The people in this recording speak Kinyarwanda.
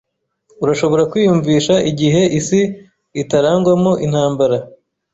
Urashobora kwiyumvisha igihe isi itarangwamo intambara?